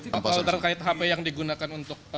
kalau terkait hp yang digunakan untuk